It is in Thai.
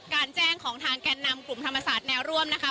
การแจ้งของทางแก่นนำกลุ่มธรรมศาสตร์แนวร่วมนะคะ